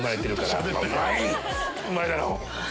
うまいだろ！